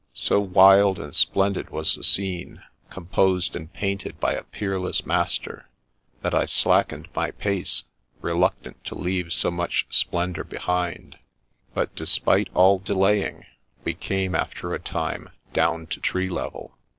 So wild and splendid was the scene, composed and painted by a peerless Master, that I slackened my pace, reluctant to leave so much splendour behind; but despite all delaying, we came after a time down to tree level.